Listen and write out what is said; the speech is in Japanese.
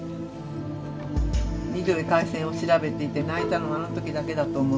ミッドウェー海戦を調べていて泣いたのはあの時だけだと思う。